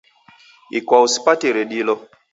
Ikwau sipatire dilo